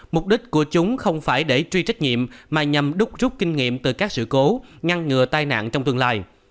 mục đích của chúng không phải để truy trách nhiệm mà nhằm đúc rút kinh nghiệm từ các sự cố ngăn ngừa tai nạn trong tương lai